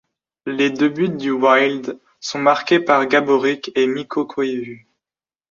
Les deux buts du Wild sont marqués par Gáborík et Mikko Koivu.